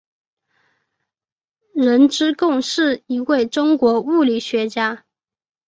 任之恭是一位中国物理学家。